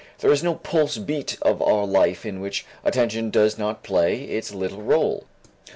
There is no pulse beat of our life in which attention does not play its little rôle.